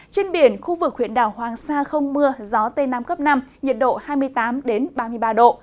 trên biển khu vực huyện đảo hoàng sa không mưa gió tây nam cấp năm nhiệt độ hai mươi tám ba mươi ba độ